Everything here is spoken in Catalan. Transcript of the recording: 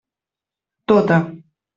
Tota.